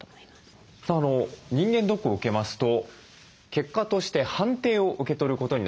人間ドックを受けますと結果として判定を受け取ることになります。